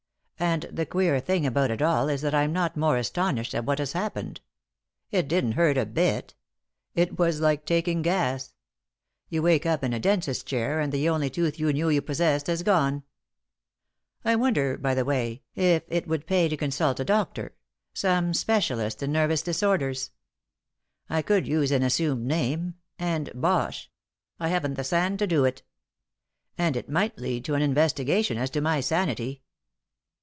And the queer thing about it all is that I'm not more astonished at what has happened. It didn't hurt a bit! It was like taking gas. You wake up in a dentist's chair, and the only tooth you knew you possessed has gone. I wonder, by the way, if it would pay to consult a doctor some specialist in nervous disorders? I could use an assumed name, and Bosh! I haven't the sand to do it. And it might lead to an investigation as to my sanity.